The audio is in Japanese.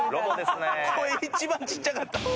声一番ちっちゃかった。